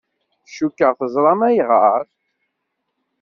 Cukkeɣ teẓram ayɣer.